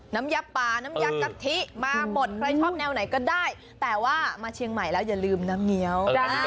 น้ำยับปลาน้ำยักษ์กะทิมาหมดใครชอบแนวไหนก็ได้แต่ว่ามาเชียงใหม่แล้วอย่าลืมน้ำเงี้ยว